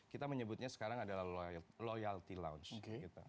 kita menyebutnya sekarang adalah loyalty lounge